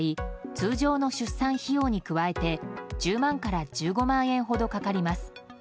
通常の出産費用に加えて１０万から１５万円ほどかかります。